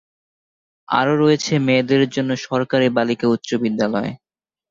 আরো রয়েছে মেয়েদের জন্য সরকারি বালিকা উচ্চবিদ্যালয়।